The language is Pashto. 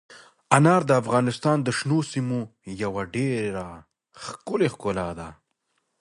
انار د افغانستان د شنو سیمو یوه ډېره ښکلې ښکلا ده.